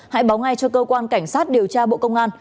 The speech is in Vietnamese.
hãy báo ngay cho cơ quan cảnh sát điều tra bộ công an